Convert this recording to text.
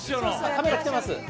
カメラきてます。